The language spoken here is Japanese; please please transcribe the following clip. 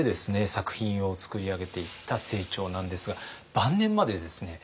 作品を作り上げていった清張なんですが晩年までですね